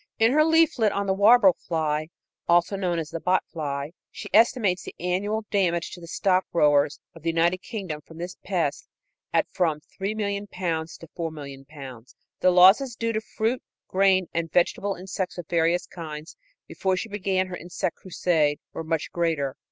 In her leaflet on the warble fly, also known as bot fly, she estimates the annual damage to the stock growers of the United Kingdom from this pest at from £3,000,000 to £4,000,000. The losses due to fruit, grain and vegetable insects of various kinds, before she began her insect crusade, were much greater.